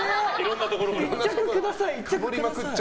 １着ください！